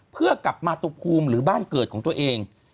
เพื่อกลับมาตุภูมิหรือบ้านเกิดของตัวเอง